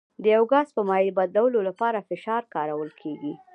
د یو ګاز په مایع بدلولو لپاره فشار کارول کیږي.